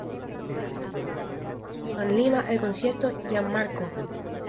En noviembre realizó en Lima el concierto "Gian Marco.